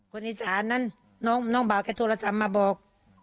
คนอีสานนั้นน้องบ่าวแกโทรศัพท์มาบอก